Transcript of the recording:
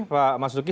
pak mas duki